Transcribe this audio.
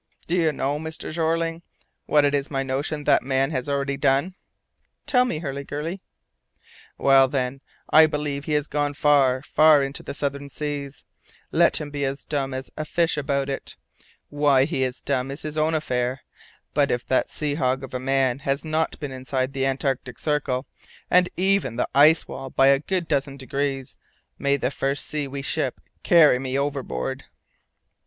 "Do you know, Mr. Jeorling, what it is my notion that man has already done?" "Tell me, Hurliguerly." "Well, then, I believe he has gone far, far into the southern seas, let him be as dumb as a fish about it. Why he is dumb is his own affair. But if that sea hog of a man has not been inside the Antarctic Circle and even the ice wall by a good dozen degrees, may the first sea we ship carry me overboard."